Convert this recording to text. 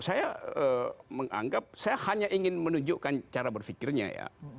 saya menganggap saya hanya ingin menunjukkan cara berpikirnya ya